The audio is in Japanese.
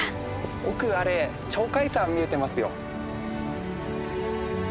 奥あれ鳥海山見えてますよ。